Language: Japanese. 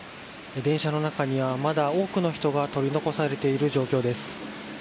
電車の中には、まだ多くの人が取り残されている状況です。